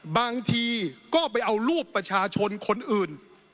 บางทีก็ไปเอารูปประชาชนคนอื่น